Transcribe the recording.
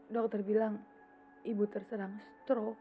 dokter bilang ibu terserang stroke